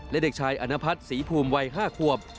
และเด็กชายอนพัฒน์ศรีภูมิวัย๕ขวบ